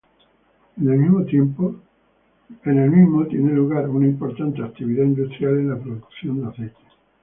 En el mismo tiene lugar una importante actividad industrial en la producción de aceite.